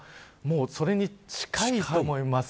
もう、それに近いと思います。